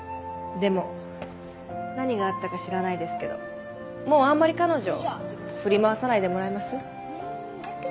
でも何があったか知らないですけどもうあんまり彼女振り回さないでもらえます？